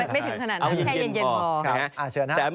ไม่ถึงขนาดนั้นแค่เย็นพอ